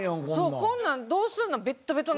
そうこんなんどうすんの？